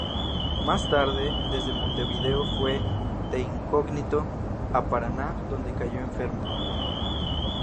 Más tarde, desde Montevideo fue, de incógnito, a Paraná donde cayó enfermo.